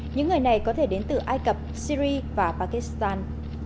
những người này có thể đến từ ai cập syri và pakistan